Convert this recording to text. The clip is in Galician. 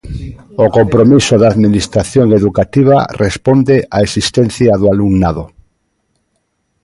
O compromiso da Administración educativa responde á existencia do alumnado.